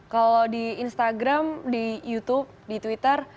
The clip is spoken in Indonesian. kalau di instagram di youtube di twitter